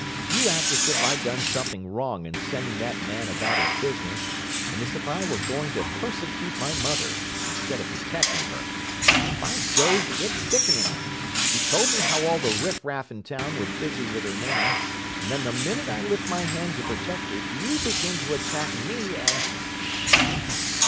You act as if I'd done something wrong in sending that man about his business, and as if I were going to persecute my mother, instead of protecting her. By Jove, it's sickening! You told me how all the riffraff in town were busy with her name, and then the minute I lift my hand to protect her, you begin to attack me and—" "Sh!"